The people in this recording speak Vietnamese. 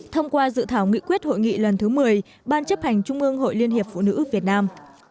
thông qua dự thảo nghị quyết hội nghị lần thứ một mươi ban chấp hành trung ương hội liên hiệp phụ nữ việt nam